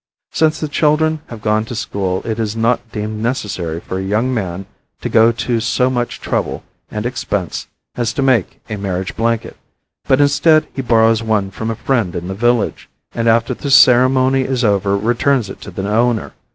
Since the children have gone to school it is not deemed necessary for a young man to go to so much trouble and expense as to make a marriage blanket, but instead, he borrows one from a friend in the village, and after the ceremony is over returns it to the owner.